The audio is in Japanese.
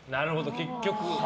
結局。